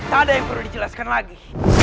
tak ada yang perlu dijelaskan lagi